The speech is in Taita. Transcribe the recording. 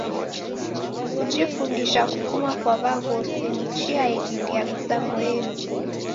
Kujifundisha kufuma kwa w'aghosi ni chia yelindia mizango yedu.